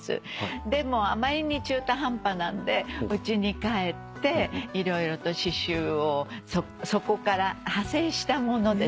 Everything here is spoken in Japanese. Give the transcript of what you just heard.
でもあまりに中途半端なんでうちに帰って色々と刺しゅうをそこから派生したものですね。